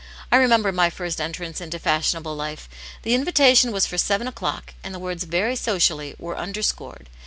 I remember my first entrance into . fashionable life. The invitation was for seven o'clock, ' and the words very socially were underscored.